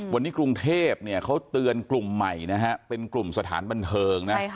วันนี้กรุงเทพเนี่ยเขาเตือนกลุ่มใหม่นะฮะเป็นกลุ่มสถานบันเทิงนะ